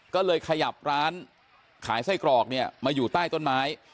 ก็เลยขยับร้านขายไส้กรอกเนี่ยมาอยู่ใต้ต้นไม้